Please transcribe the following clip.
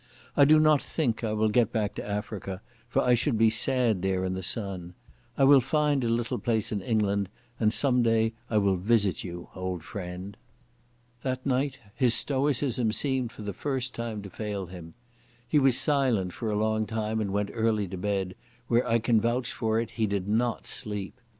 I do not think I will go back to Africa, for I should be sad there in the sun. I will find a little place in England, and some day I will visit you, old friend." That night his stoicism seemed for the first time to fail him. He was silent for a long time and went early to bed, where I can vouch for it he did not sleep.